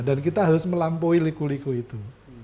dan kita harus melampaui liku liku itu